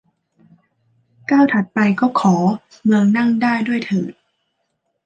ก้าวถัดไปก็ขอ เมืองนั่งได้ ด้วยเถิด